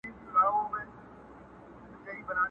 ستا دي په یاد وي چي دا ښکلی وطن؛